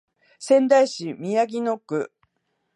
仙台市宮城野区